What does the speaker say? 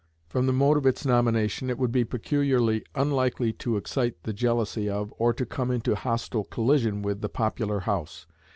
From the mode of its nomination, it would be peculiarly unlikely to excite the jealousy of, or to come into hostile collision with the popular House.